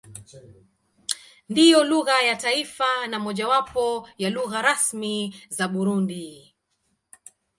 Ndiyo lugha ya taifa na mojawapo ya lugha rasmi za Burundi.